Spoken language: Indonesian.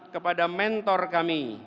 kepada mentor kami